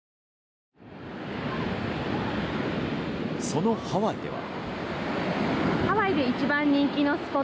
そのハワイでは。